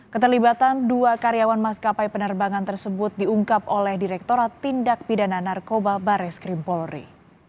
keterlibatan dua karyawan maskapai penerbangan tersebut diungkap oleh direkturat tindak pidana narkoba bares krim polri